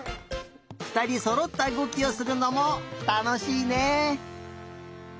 ふたりそろったうごきをするのもたのしいね。